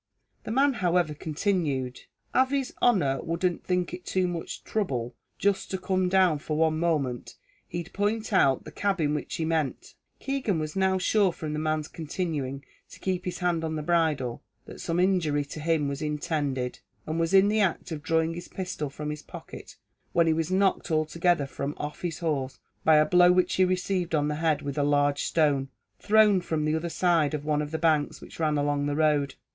The man, however, continued, "av his honer wouldn't think it too much throuble jist to come down for one moment, he'd point out the cabin which he meant." Keegan was now sure from the man's continuing to keep his hand on the bridle, that some injury to him was intended, and was in the act of drawing his pistol from his pocket, when he was knocked altogether from off his horse by a blow which he received on the head with a large stone, thrown from the other side of one of the banks which ran along the road.